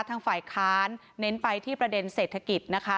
ทางฝ่ายค้านเน้นไปที่ประเด็นเศรษฐกิจนะคะ